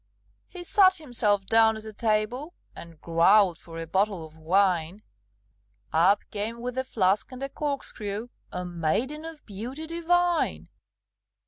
He sat himself down at a table, And growled for a bottle of wine; Up came with a flask and a corkscrew A maiden of beauty divine.